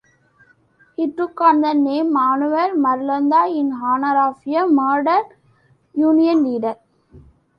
He took on the name "Manuel Marulanda" in honor of a murdered union leader.